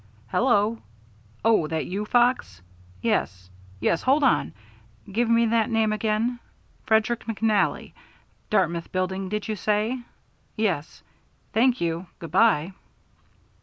"Hello! Oh, that you, Fox? Yes Yes. Hold on! Give me that name again. Frederick McNally. Dartmouth Building, did you say? Yes. Thank you. Good by."